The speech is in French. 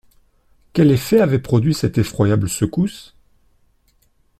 Quel effet avait produit cette effroyable secousse?